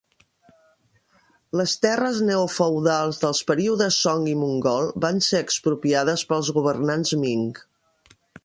Les terres neo-feudals dels períodes Song i Mongol van ser expropiades pels governants Ming.